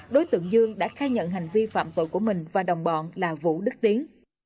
đối tượng dương đã khai nhận hành vi phạm tội của mình và đồng bọn là vũ đức tiến